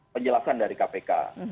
penjelasan dari kpk